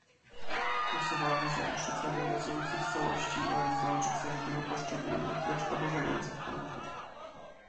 Głosowałem za odrzuceniem rezolucji w całości oraz za odrzuceniem wielu poszczególnych, wręcz oburzających punktów